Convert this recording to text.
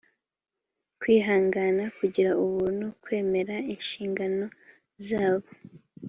kwihangana kugira ubuntu kwemera inshingano zabo